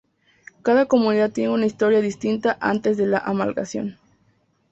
Cada comunidad tiene una historia distinta antes de la amalgamación.